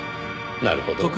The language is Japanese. なるほど。